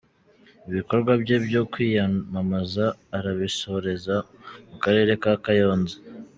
Ibikorwa bye byo kwiyamamaza arabisoreza mu Karere ka Kayonza.